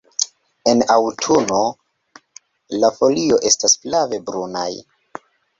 En aŭtuno la folio estas flave brunaj.